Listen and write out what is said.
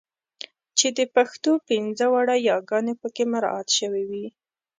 چې د پښتو پنځه واړه یګانې پکې مراعات شوې وي.